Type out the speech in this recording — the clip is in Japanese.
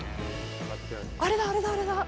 あれだ、あれだ、あれだ。